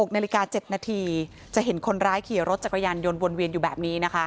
๖นาฬิกา๗นาทีจะเห็นคนร้ายขี่รถจักรยานยนต์วนเวียนอยู่แบบนี้นะคะ